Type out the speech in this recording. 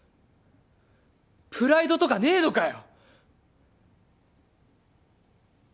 プライドとかねぇのかよ